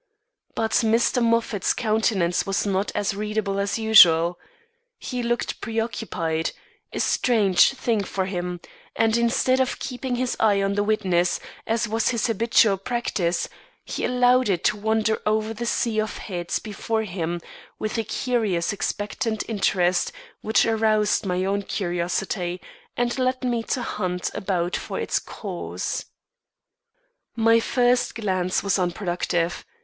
But Mr. Moffat's countenance was not as readable as usual. He looked preoccupied a strange thing for him; and, instead of keeping his eye on the witness, as was his habitual practice, he allowed it to wander over the sea of heads before him, with a curious expectant interest which aroused my own curiosity, and led me to hunt about for its cause. My first glance was unproductive.